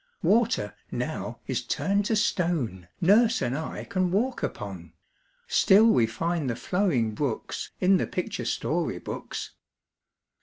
Water now is turned to stone Nurse and I can walk upon; Still we find the flowing brooks In the picture story books.